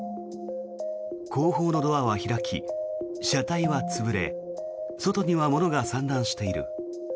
後方のドアは開き、車体は潰れ外には物が散乱している。